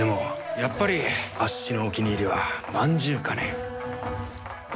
やっぱりあっしのお気に入りは饅頭かね。